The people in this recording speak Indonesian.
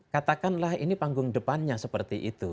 katakanlah ini panggung depannya seperti itu